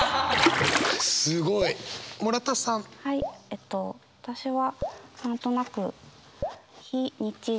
えっと私は何となく。